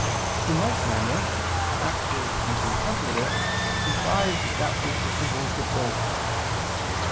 In like manner active and contemplative comprise that which is composed of both.